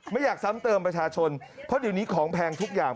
ไม่อยากซ้ำเติมประชาชนเพราะเดี๋ยวนี้ของแพงทุกอย่าง